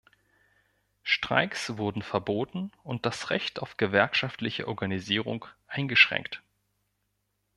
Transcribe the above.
Streiks wurden verboten und das Recht auf gewerkschaftliche Organisierung eingeschränkt.